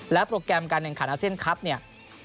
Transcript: ในการแบ่งขาดหน้าเส้นคลับเนี่ย